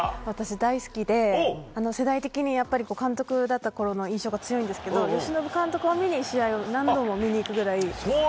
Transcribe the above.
私、大好きで世代的にやっぱり監督だったころの印象が強いんですけど由伸監督を見に試合を何度も見に行くくらい。